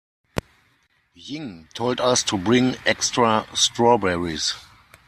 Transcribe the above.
Ying told us to bring extra strawberries.